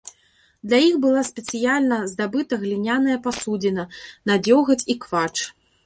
Для іх была спецыяльна здабыта гліняная пасудзіна на дзёгаць і квач.